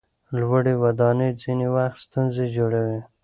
لوړې ودانۍ ځینې وخت ستونزې جوړوي.